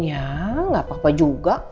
ya nggak apa apa juga